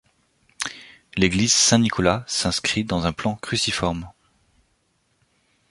L'église Saint-Nicolas s'inscrit dans un plan cruciforme.